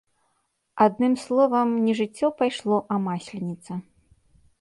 Адным словам, не жыццё пайшло, а масленіца.